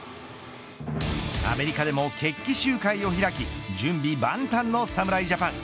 アメリカでも決起集会を開き準備万端の侍ジャパン。